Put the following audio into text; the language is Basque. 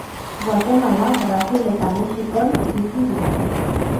Guatemala, Brasil eta Mexikon bizi dira.